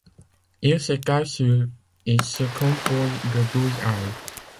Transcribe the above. Il s'étale sur et se compose de douze halles.